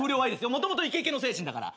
もともとイケイケの精神だから。